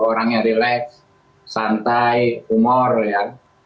orang yang relax santai humor ya